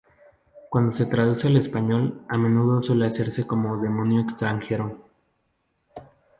Cuando se traduce al español, a menudo suele hacerse como demonio extranjero.